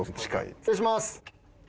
失礼します。